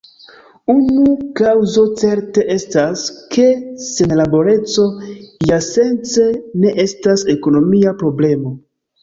Unu kaŭzo certe estas, ke senlaboreco iasence ne estas ekonomia problemo.